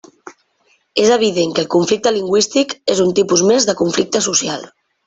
És evident que el conflicte lingüístic és un tipus més de conflicte social.